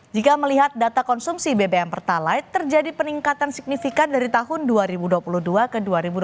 jika melihat data konsumsi bbm pertalite terjadi peningkatan signifikan dari tahun dua ribu dua puluh dua ke dua ribu dua puluh